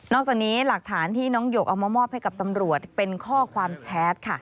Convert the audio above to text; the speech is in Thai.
จากนี้หลักฐานที่น้องหยกเอามามอบให้กับตำรวจเป็นข้อความแชทค่ะ